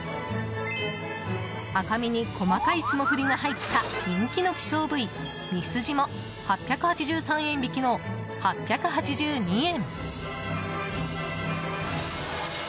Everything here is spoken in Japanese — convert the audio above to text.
赤身に細かい霜降りが入った人気の希少部位ミスジも８８３円引きの８８２円。